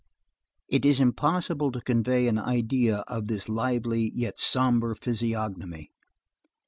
It is impossible to convey an idea of this lively yet sombre physiognomy.